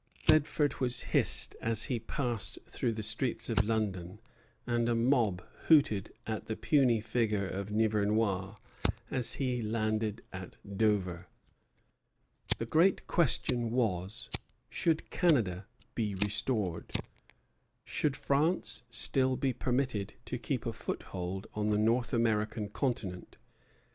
Bedford was hissed as he passed through the streets of London, and a mob hooted at the puny figure of Nivernois as he landed at Dover. The great question was, Should Canada be restored? Should France still be permitted to keep a foothold on the North American continent?